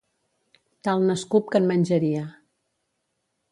Tal n'escup que en menjaria.